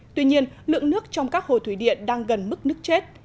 tuy nhiên lượng nước trong các hồ thủy điện đang gần mức nước chết